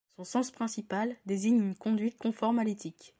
Son sens principal désigne une conduite conforme à l'éthique.